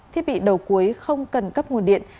thiết bị đầu cuối không cần cấp nguồn điện